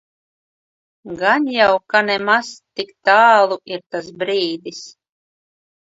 Gan jau, ka nemaz ne tik tālu ir tas brīdis.